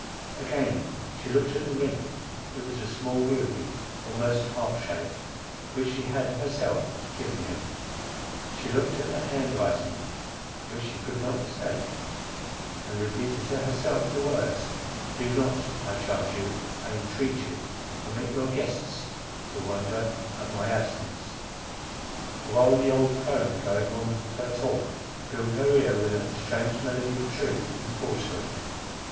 Again she looked at the ring, it was a small ruby, almost heart shaped, which she had herself given him. She looked at the hand writing, which she could not mistake, and repeated to herself the words—"Do not, I charge you, I entreat you, permit your guests to wonder at my absence:" the while the old crone going on with her talk, filled her ear with a strange medley of truth and falsehood.